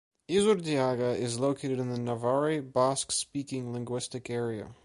Izurdiaga is located in the Navarre Basque-speaking linguistic area.